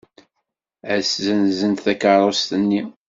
Ad ssenzent takeṛṛust-nni.